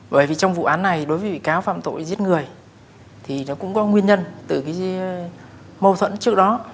bởi vì trong vụ án này đối với bị cáo phạm tội giết người thì nó cũng có nguyên nhân từ mâu thuẫn trước đó